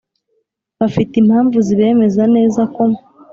Bafite impamvu zibemeza nezako